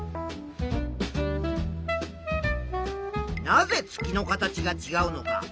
なぜ月の形がちがうのか。